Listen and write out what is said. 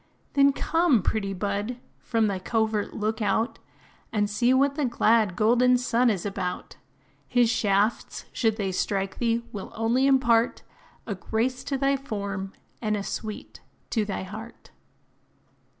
Then come, pretty bud; from thy covert look out, And see what the glad, golden sun is about: His shafts, should they strike thee, will only impart A grace to thy form, and a sweet to thy heart.